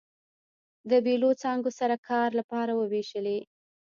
د بېلو څانګو سره کار لپاره ووېشلې.